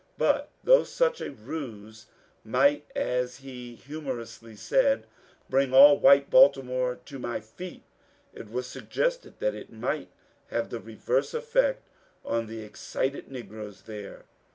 But though such a ruse might, as he humorously said, bring all white Baltimore to my feet, it was suggested that it might have the reverse effect on the excited negroes there.